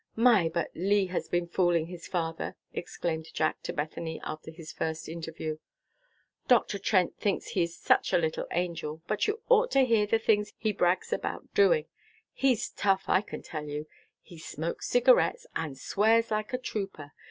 "My! but Lee has been fooling his father," exclaimed Jack to Bethany after his first interview. "Dr. Trent thinks he is such a little angel, but you ought to hear the things he brags about doing. He's tough, I can tell you. He smokes cigarettes, and swears like a trooper.